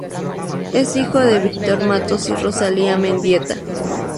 Es hijo de Víctor Matos y Rosalía Mendieta.